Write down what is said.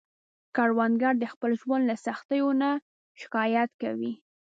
کروندګر د خپل ژوند له سختیو نه نه شکايت کوي